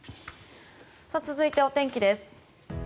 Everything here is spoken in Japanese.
続いて、お天気です。